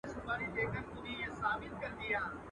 يا دي ښايي بله سترگه در ړنده كړي.